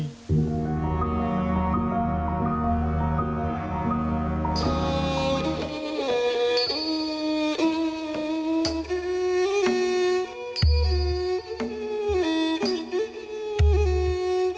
มันก็ไม่ดินวันที่นี่สิเครข่าวไทยรัฐทีวี